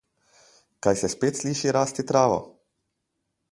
Kaj se spet sliši rasti travo?